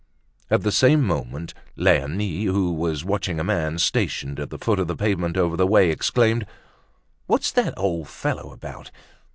At the same moment Leonie, who was watching a man stationed at the foot of the pavement over the way, exclaimed, "What's that old fellow about?